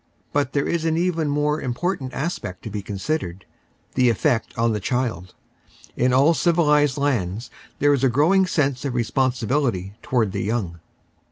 But there is an even more important aspect to be con sidered—the effect on the child. In all civilised lands there is a growing sense of responsibility towards the young.